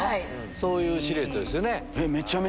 そういうシルエットですよね。